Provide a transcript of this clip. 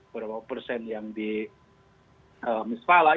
berapa persen yang di mismala